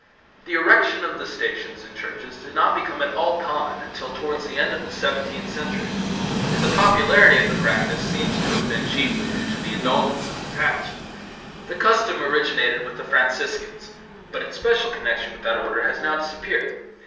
The erection of the Stations in churches did not become at all common until towards the end of the seventeenth century, and the popularity of the practice seems to have been chiefly due to the indulgences attached. The custom originated with the Franciscans, but its special connection with that order has now disappeared.